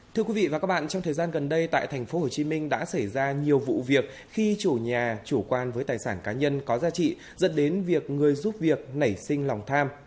thưa quý vị và các bạn trong thời gian gần đây tại tp hcm đã xảy ra nhiều vụ việc khi chủ nhà chủ quan với tài sản cá nhân có giá trị dẫn đến việc người giúp việc nảy sinh lòng tham